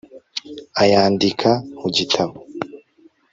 ayandika mu gitabo